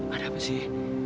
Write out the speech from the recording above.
ada apa sih